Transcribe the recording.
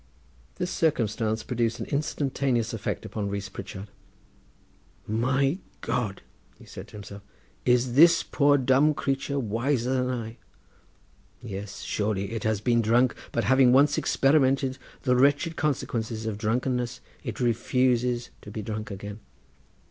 This circumstance produced an instantaneous effect upon Rees Pritchard. "My God!" said he to himself, "is this poor dumb creature wiser than I? Yes, surely; it has been drunk, but having once experienced the wretched consequences of drunkenness, it refuses to be drunk again.